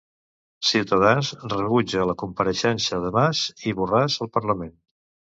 Cs rebutja la compareixença de Mas i Borràs al Parlament.